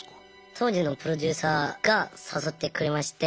当時のプロデューサーが誘ってくれまして。